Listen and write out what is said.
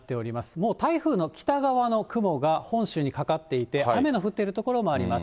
もう台風の北側の雲が本州にかかっていて、雨の降っている所もあります。